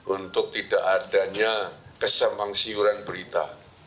untuk tidak adanya kesempangsiuran berita